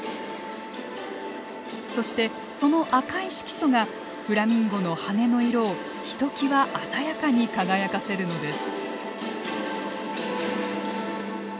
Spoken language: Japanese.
そしてその赤い色素がフラミンゴの羽根の色をひときわ鮮やかに輝かせるのです。